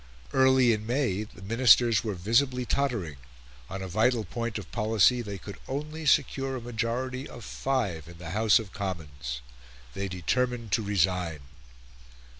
Early in May the Ministers were visibly tottering; on a vital point of policy they could only secure a majority of five in the House of Commons; they determined to resign.